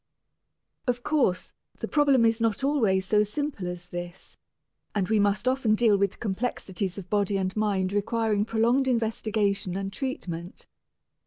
Of course, the problem is not always so simple as this, and we must often deal with complexities of body and mind requiring prolonged investigation and treatment.